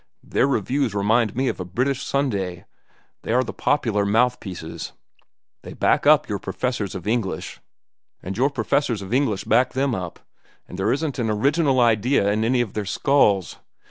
Their reviews remind me of a British Sunday. They are the popular mouthpieces. They back up your professors of English, and your professors of English back them up. And there isn't an original idea in any of their skulls.